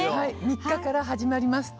３日から始まります。